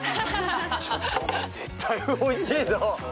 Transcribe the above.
絶対おいしいぞ！